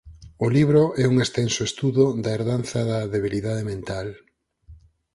O libro é un extenso estudo da herdanza da "debilidade mental".